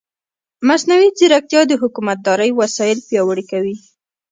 مصنوعي ځیرکتیا د حکومتدارۍ وسایل پیاوړي کوي.